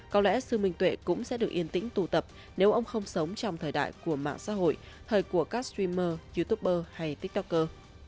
có lẽ sư minh tuệ cũng sẽ được yên tĩnh tụ tập nếu ông không sống trong thời đại của mạng xã hội thời của các streamer youtuber hay tiktoker